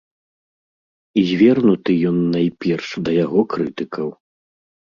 І звернуты ён найперш да яго крытыкаў.